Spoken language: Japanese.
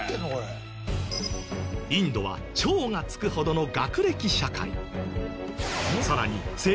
インドは超がつくほどの学歴社会。